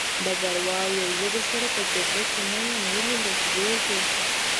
ډګروال وویل زه درسره په جګړه کې نه یم ولې لړزېږې